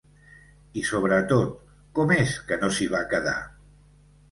I sobretot, ¿com és que no s'hi va quedar?